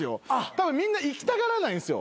たぶんみんな行きたがらないんですよ。